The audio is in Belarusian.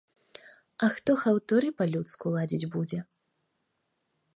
А хто хаўтуры па-людску ладзіць будзе?